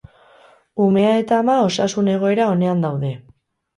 Umea eta ama osasun egoera onean daude.